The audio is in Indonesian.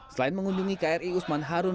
selain mengunjungi kri usman harun